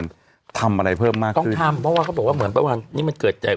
มันทำอะไรเพิ่มมากต้องทำเพราะว่าเขาบอกว่าเหมือนประมาณนี้มันเกิดใจ